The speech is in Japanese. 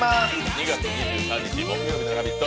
２月２３日木曜日の「ラヴィット！」